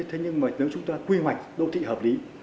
thế nhưng mà nếu chúng ta quy hoạch đô thị hợp lý